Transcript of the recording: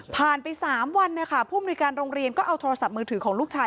ไป๓วันนะคะผู้มนุยการโรงเรียนก็เอาโทรศัพท์มือถือของลูกชาย